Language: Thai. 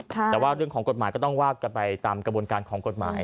แต่ว่าเรื่องของกฎหมายก็ต้องว่ากันไปตามกระบวนการของกฎหมาย